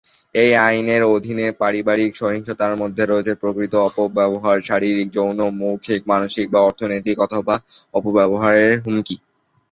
এই আইনের অধীনে পারিবারিক সহিংসতার মধ্যে রয়েছে প্রকৃত অপব্যবহার, শারীরিক, যৌন, মৌখিক, মানসিক বা অর্থনৈতিক অথবা অপব্যবহারের হুমকি।